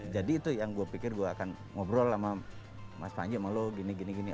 jadi itu yang gue pikir gue akan ngobrol sama mas panji sama lo gini gini